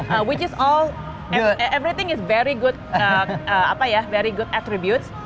yang mana semua semua adalah atribut yang sangat bagus